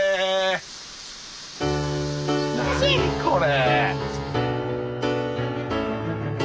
何これ。